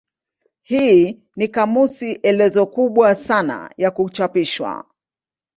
Hii ni kamusi elezo kubwa sana ya kuchapishwa.